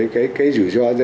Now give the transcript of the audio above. cái rủi ro